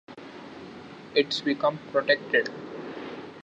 It's become protected.